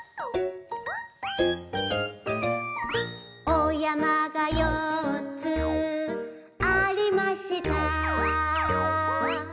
「お山が４つありました」